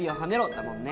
だもんね。